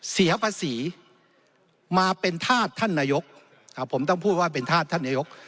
เสียภาษีมาเป็นธาตุท่านนายกผมต้องพูดว่าเป็นธาตุท่านนายก